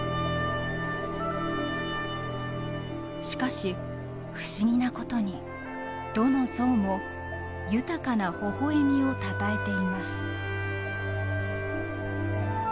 しかし不思議なことにどの像も豊かなほほえみをたたえています。